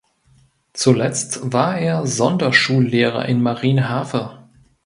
Zuletzt war er Sonderschullehrer in Marienhafe.